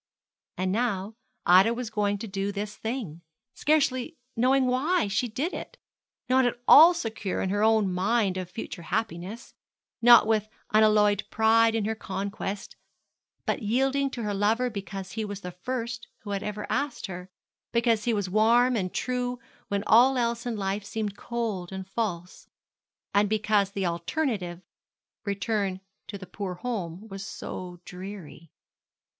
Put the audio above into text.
And now Ida was going to do this thing, scarcely knowing why she did it, not at all secure in her own mind of future happiness; not with unalloyed pride in her conquest, but yielding to her lover because he was the first who had ever asked her; because he was warm and true when all else in life seemed cold and false; and because the alternative return to the poor home was so dreary.